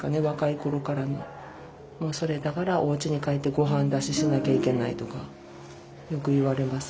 もうそれだからおうちに帰ってごはん出ししなきゃいけないとかよく言われます。